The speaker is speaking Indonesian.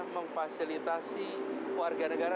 mengfasilitasi warga negara